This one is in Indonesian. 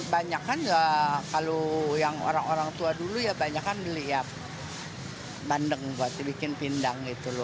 banyak kan ya kalau yang orang orang tua dulu ya banyak kan beli ya bandeng buat dibikin pindang gitu loh